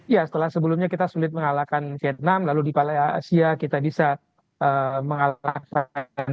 ya setelah sebelumnya kita sulit mengalahkan vietnam lalu di pala asia kita bisa mengalahkan